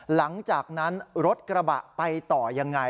หลังจากนั้นรถกระบะไปต่อยังไง